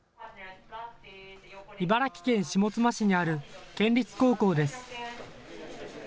茨城県下妻市にある県立高校です。